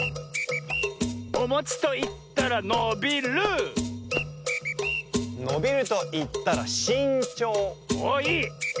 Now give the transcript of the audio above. おもちといったらのびるのびるといったらしんちょうおっいい。